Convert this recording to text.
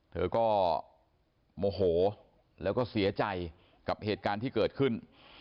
เธอก็โมโหแล้วก็เสียใจกับเหตุการณ์ที่เกิดขึ้น